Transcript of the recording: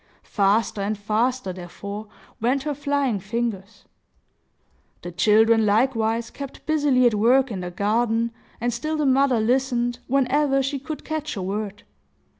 Faster and faster, therefore, went her flying fingers. The children, likewise, kept busily at work in the garden, and still the mother listened, whenever she could catch a word.